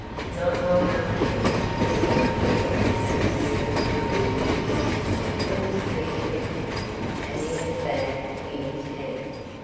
Not long afterwards a slim figure came stealing through the woods. It was Peter Mink; and he had a bag in his hand.